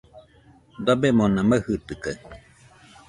Dabemona maɨjitɨkaɨ